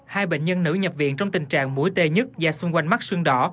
hai bệnh nhân nữ nhập viện trong tình trạng mũi tê nhức da xung quanh mắt xương đỏ